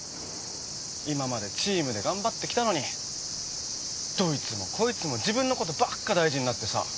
今までチームで頑張ってきたのにどいつもこいつも自分のことばっか大事になってさ。